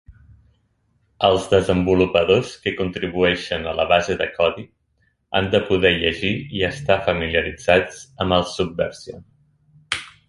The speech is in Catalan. Els desenvolupadors que contribueixen a la base de codi han de poder llegir i estar familiaritzats amb el Subversion.